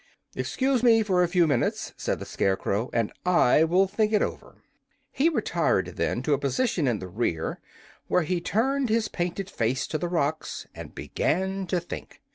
"Excuse me for a few minutes," said the Scarecrow, "and I will think it over." He retired, then, to a position in the rear, where he turned his painted face to the rocks and began to think.